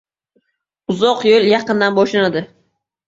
• Uzoq yo‘l yaqindan boshlanadi.